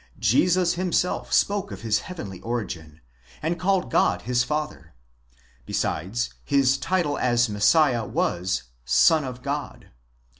Jesus himself spoke of his heavenly origin, and called God his father ; besides, his title as Messiah was—Son of God.